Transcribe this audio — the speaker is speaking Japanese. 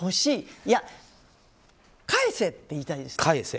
いや、返せ！って言いたいです。